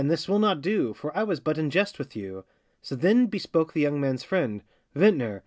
this will not do, For I was but in jest with you.' So then bespoke the young man's friend: 'Vintner!